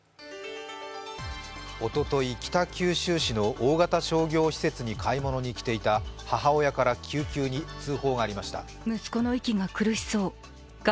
おととい、北九州市の大型商業施設に買い物に来ていた母親から救急に通報がありました。